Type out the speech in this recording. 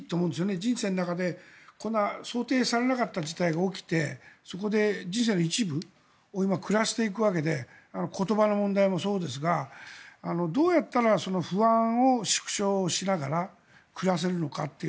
人生の中で想定されなかった事態が起きてそこで人生の一部を暮らしていくわけで言葉の問題もそうですがどうやったら不安を縮小しながら暮らせるのかという。